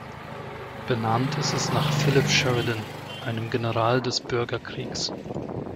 Benannt ist es nach Philip Sheridan einem General des Bürgerkriegs.